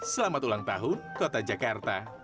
selamat ulang tahun kota jakarta